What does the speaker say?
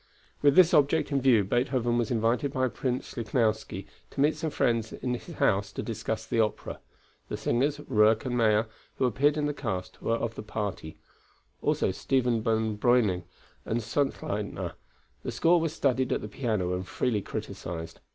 With this object in view, Beethoven was invited by Prince Lichnowsky to meet some friends at his house to discuss the opera. The singers, Roeke and Meyer, who appeared in the cast, were of the party; also Stephen von Breuning and Sonnleithner. The score was studied at the piano and freely criticised.